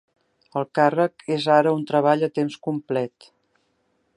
El càrrec és ara un treball a temps complet.